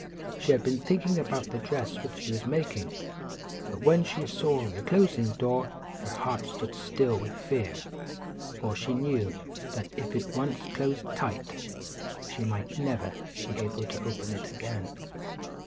She had been thinking about the dress which she was making; but when she saw the closing door, her heart stood still with fear; for she knew that if it once closed tight she might never be able to open it again.